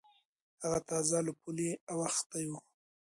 هغه تازه له پولې اوختی و.